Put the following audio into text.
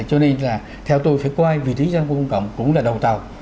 cho nên là theo tôi phải quay vị trí doanh công công cộng cũng là đầu tàu